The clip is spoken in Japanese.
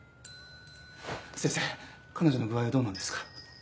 先生彼女の具合はどうなんですか？